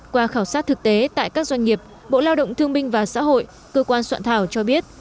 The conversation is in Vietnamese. qua khảo sát thực tế tại các doanh nghiệp bộ lao động thương minh và xã hội cơ quan soạn thảo cho biết